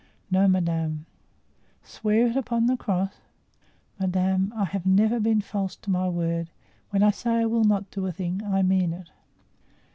"No, madame." "Swear it upon the cross." "Madame, I have never been false to my word; when I say I will not do a thing, I mean it."